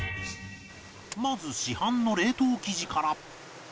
まず市販の冷凍生地から